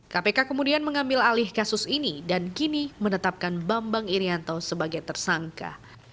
kpk kemudian mengambil alih kasus ini dan kini menetapkan bambang irianto sebagai tersangka